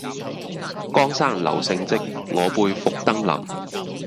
江山留勝跡，我輩復登臨。